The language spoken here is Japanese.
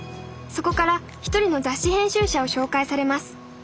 そこから一人の雑誌編集者を紹介されます。